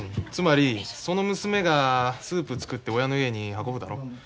つまりその娘がスープ作って親の家に運ぶだろ。